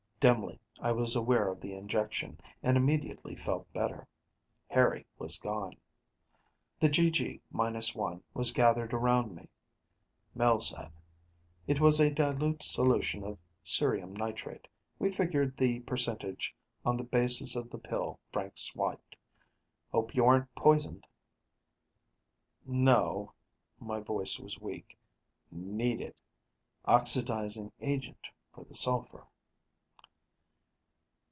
Dimly, I was aware of the injection, and immediately felt better. Harry was gone. The GG, minus one, was gathered around. Mel said, "It was a dilute solution of cerium nitrate. We figured the percentage on the basis of the pill Frank swiped. Hope you aren't poisoned." "No." My voice was weak, "Need it. Oxidizing agent for the sulfur."